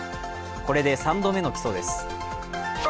これで３度目の起訴です。